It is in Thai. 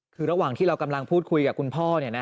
คือระหว่างที่เรากำลังพูดคุยกับคุณพ่อ